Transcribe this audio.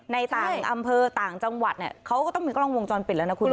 ในต่างอำเภอต่างจังหวัดเนี่ยเขาก็ต้องมีกล้องวงจรปิดแล้วนะคุณนะ